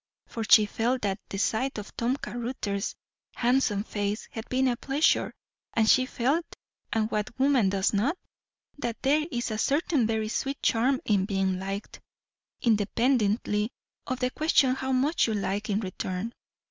For she felt that the sight of Tom Caruthers' handsome face had been a pleasure; and she felt and what woman does not? that there is a certain very sweet charm in being liked, independently of the question how much you like in return.